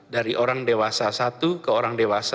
dari orang dewasa satu ke orang dewasa